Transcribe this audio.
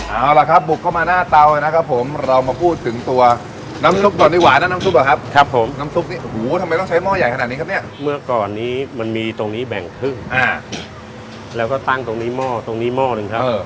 เอาล่ะครับบุกเข้ามาหน้าเตานะครับผมเรามาพูดถึงตัวน้ำซุปก่อนดีกว่านะน้ำซุปอ่ะครับครับผมน้ำซุปนี้หูทำไมต้องใช้หม้อใหญ่ขนาดนี้ครับเนี่ยเมื่อก่อนนี้มันมีตรงนี้แบ่งครึ่งอ่าแล้วก็ตั้งตรงนี้หม้อตรงนี้หม้อหนึ่งครับ